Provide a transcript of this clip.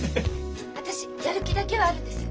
私やる気だけはあるんです。